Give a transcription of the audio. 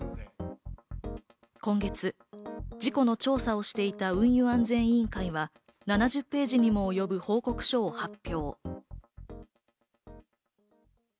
今月、事故の調査をしていた運輸安全委員会は７０ページにも及ぶ報告書を発表。